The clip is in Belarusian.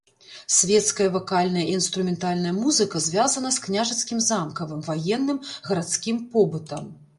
Свецкая вакальная і інструментальная музыка звязана з княжацкім замкавым, ваенным, гарадскім побытам.